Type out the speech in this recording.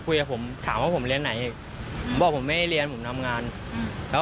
มาคุยผมถามว่าผมเรียนไหนบอกผมไม่เรียนแนมงานแล้ว